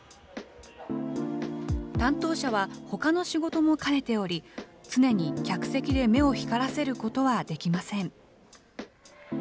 担当者は、ほかの仕事も兼ねており、常に客席で目を光らせることはできません。